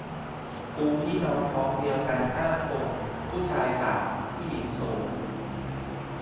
กูพี่น้องท้องเดียวกันห้าคน ผู้ชายสาม ผู้หญิงโสง